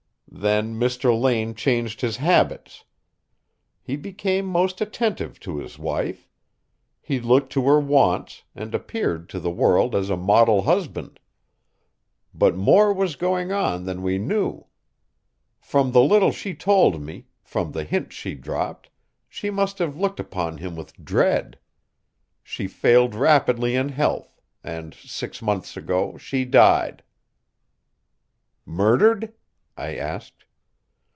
Then Mr. Lane changed his habits. He became most attentive to his wife. He looked to her wants, and appeared to the world as a model husband. But more was going on than we knew. From the little she told me, from the hints she dropped, she must have looked upon him with dread. She failed rapidly in health, and six months ago she died." "Murdered?" I asked.